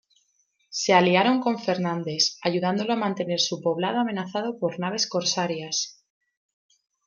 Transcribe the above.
Se aliaron con Fernandes, ayudándolo a mantener su poblado amenazado por naves corsarias.